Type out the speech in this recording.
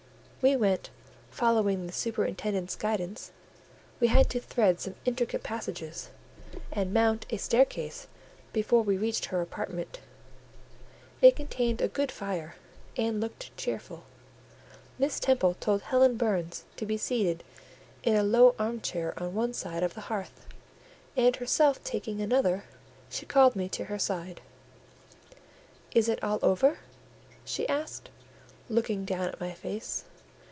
We went; following the superintendent's guidance, we had to thread some intricate passages, and mount a staircase before we reached her apartment; it contained a good fire, and looked cheerful. Miss Temple told Helen Burns to be seated in a low arm chair on one side of the hearth, and herself taking another, she called me to her side. "Is it all over?" she asked, looking down at my face.